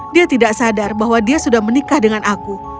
dia tidak sadar bahwa dia sudah menikah dengan aku